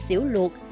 cà xỉu luộc